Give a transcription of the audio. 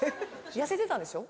痩せてたんですよ